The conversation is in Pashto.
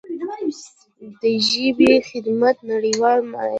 د ژبې خدمت نړیوال معیار دی.